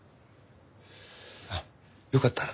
あっよかったら。